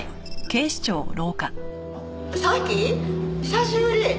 久しぶり！